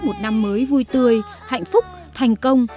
một năm mới vui tươi hạnh phúc thành công